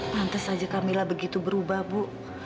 nantes aja kamila begitu berubah bu